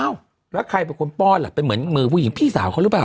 แล้วใครเป็นคนป้อนล่ะเป็นเหมือนมือผู้หญิงพี่สาวเขาหรือเปล่า